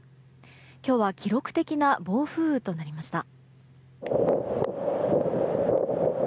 今日は記録的な暴風雨となりました。